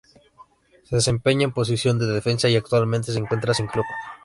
Se desempeña en posición de defensa y actualmente se encuentra sin club.